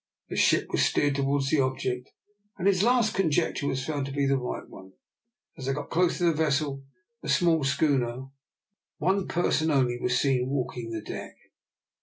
The ship was steered towards the object, and his last conjecture was found to be the right one. As they got close to the vessel, a small schooner, one person only was seen walking the deck.